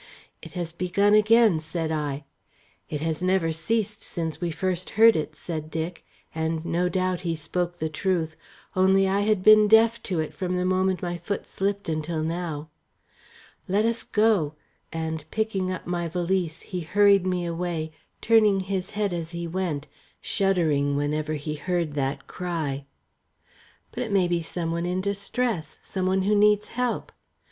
"It has begun again," said I. "It has never ceased since we first heard it," said Dick, and no doubt he spoke the truth; only I had been deaf to it from the moment my foot slipped until now. "Let us go," and picking up my valise he hurried me away, turning his head as he went, shuddering whenever he heard that cry. "But it may be some one in distress some one who needs help."